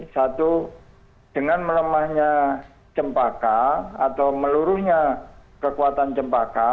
satu dengan melemahnya jempaka atau meluruhnya kekuatan jempaka